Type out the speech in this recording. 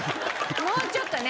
もうちょっとね。